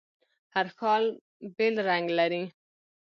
هر ښار بیل رنګ لري.